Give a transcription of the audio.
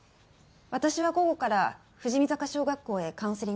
私は午後から富士見坂小学校へカウンセリングへ行きます。